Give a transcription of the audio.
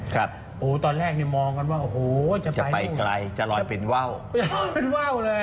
ครับตอนแรกมองกันว่าวูวจะไปไกลจะลอยเป็นว่าว